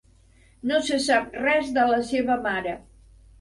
No se sap res de la seva mare.